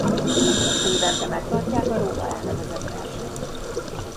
Itt évente megtartják a róla elnevezett versenyt.